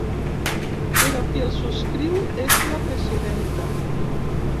Però qui el subscriu és la presidenta.